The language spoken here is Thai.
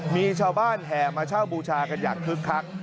มีชาวบ้านแห่มาเช่าบูชากันอย่างคึกคัก